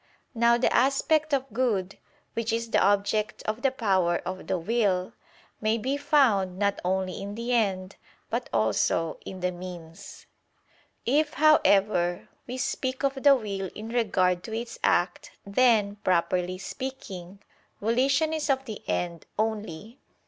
Now the aspect of good, which is the object of the power of the will, may be found not only in the end, but also in the means. If, however, we speak of the will in regard to its act, then, properly speaking, volition is of the end only.